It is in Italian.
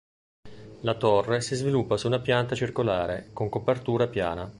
La torre si sviluppa su una pianta circolare, con copertura piana.